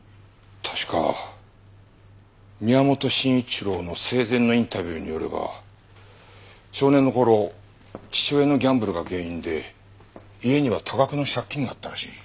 確か宮本慎一郎の生前のインタビューによれば少年の頃父親のギャンブルが原因で家には多額の借金があったらしい。